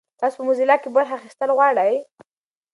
تاسو په موزیلا کې برخه اخیستل غواړئ؟